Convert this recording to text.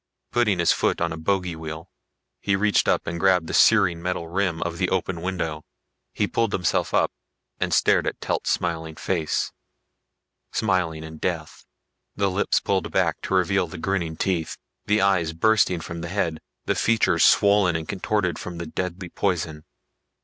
Putting his foot on a bogey wheel, he reached up and grabbed the searing metal rim of the open window. He pulled himself up and stared at Telt's smiling face. Smiling in death. The lips pulled back to reveal the grinning teeth, the eyes bursting from the head, the features swollen and contorted from the deadly poison.